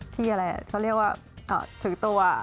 เขาเรียกว่าถือตัว